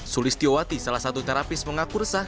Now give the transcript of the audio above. sulis tiowati salah satu terapis mengaku resah